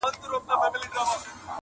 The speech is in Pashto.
هغه هرڅه د دې زرکي برکت وو -